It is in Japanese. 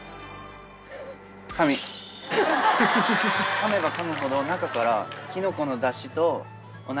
かめばかむほど中から。